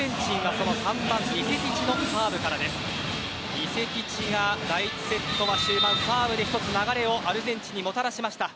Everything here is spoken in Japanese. ニセティチが第１セット終盤、サーブでアルゼンチンに流れをもたらしました。